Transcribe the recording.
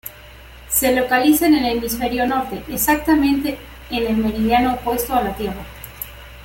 Se localiza en el hemisferio norte, exactamente en el meridiano opuesto a la Tierra.